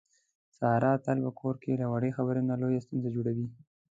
ساره تل په کور کې له وړې خبرې نه لویه ستونزه جوړي.